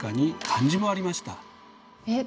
えっ？